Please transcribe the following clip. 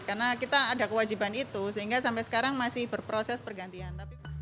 karena kita ada kewajiban itu sehingga sampai sekarang masih berproses pergantian